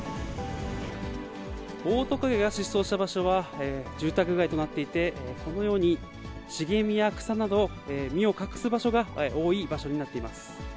オオトカゲが失踪した場所は住宅街となっていて、このように茂みや草など、身を隠す場所が多い場所になっています。